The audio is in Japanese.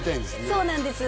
そうなんです